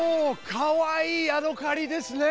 かわいいヤドカリですね！